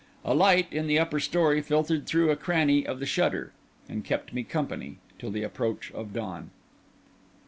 A light in the upper story filtered through a cranny of the shutter, and kept me company till the approach of dawn.